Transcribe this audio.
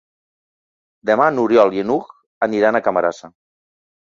Demà n'Oriol i n'Hug aniran a Camarasa.